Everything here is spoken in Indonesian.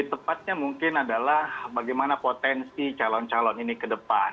tepatnya mungkin adalah bagaimana potensi calon calon ini ke depan